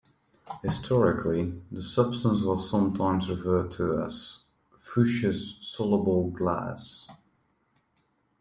Historically, the substance was sometimes referred to as "Fuchs's soluble glass".